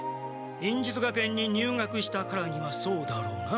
忍術学園に入学したからにはそうだろうな。